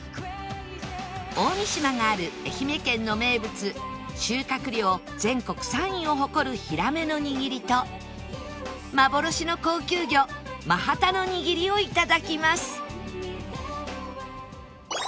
大三島がある愛媛県の名物収穫量全国３位を誇るヒラメの握りと幻の高級魚マハタの握りを頂きます